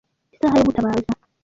isaha yo gutabaza